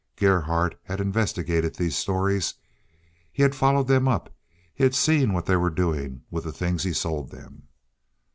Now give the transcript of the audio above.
Gerhardt had investigated these stories; he had followed them up; he had seen what they were doing with the things he sold them.